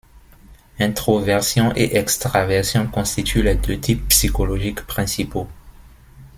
Introversion et extraversion constituent les deux types psychologiques principaux.